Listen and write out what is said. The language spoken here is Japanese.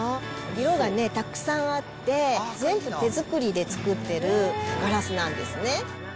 色がね、たくさんあって、全部手作りで作ってるガラスなんですね。